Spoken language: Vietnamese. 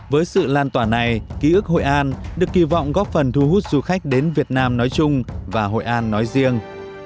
với sự lan tỏa này ký ức hội an được kỳ vọng góp phần thu hút du khách đến việt nam nói chung và hội an nói riêng